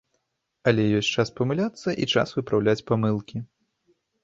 Але ёсць час памыляцца, і час выпраўляць памылкі.